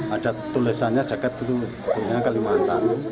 ada tulisannya jaket itu punya kalimantan